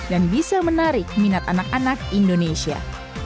dan bisa menarik minat anak anak indonesia